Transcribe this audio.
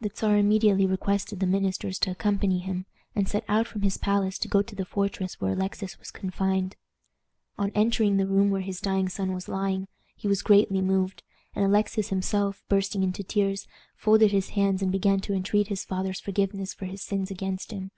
The Czar immediately requested the ministers to accompany him, and set out from his palace to go to the fortress where Alexis was confined. On entering the room where his dying son was lying, he was greatly moved, and Alexis himself, bursting into tears, folded his hands and began to entreat his father's forgiveness for his sins against him.